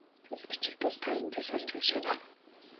Бас сонин сэтгүүлд бичих тул та тэндээс олж уншаарай.